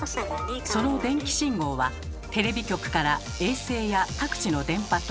その電気信号はテレビ局から衛星や各地の電波塔